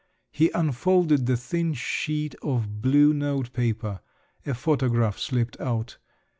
He unfolded the thin sheet of blue notepaper: a photograph slipped out.